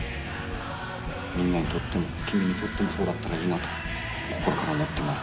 みんなにとっても君にとってもそうだったらいいなと心から思っています。